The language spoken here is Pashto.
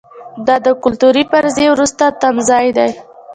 دا د کلتوري فرضیې وروستی تمځای دی.